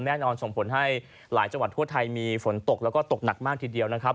แน่นอนส่งผลให้หลายจังหวัดทั่วไทยมีฝนตกแล้วก็ตกหนักมากทีเดียวนะครับ